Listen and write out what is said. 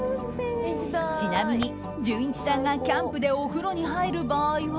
ちなみに、じゅんいちさんがキャンプでお風呂に入る場合は。